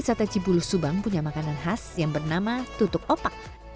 wisata cibulu subang punya makanan khas yang bernama tutup opak